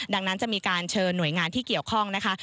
ดังนั้นจะมีการเชิญหน่วยงานที่เกี่ยวข้องนะคะ